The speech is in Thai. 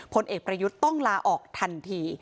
ผลเอกประยุทธ์ต้องลาออกทันที